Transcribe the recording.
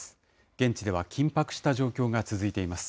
現地では緊迫した状況が続いています。